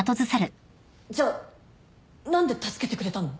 じゃあ何で助けてくれたの？